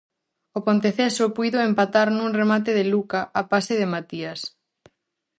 O Ponteceso puido empatar nun remate de Luca a pase de Matías.